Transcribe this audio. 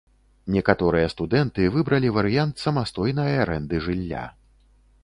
Некаторыя студэнты выбралі варыянт самастойнай арэнды жылля.